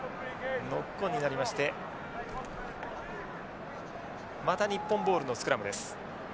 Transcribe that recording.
ノックオンになりましてまた日本ボールのスクラムです。